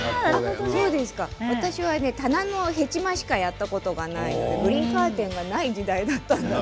私は棚のへちましかやったことがないのでグリーンカーテンがない時代だったので。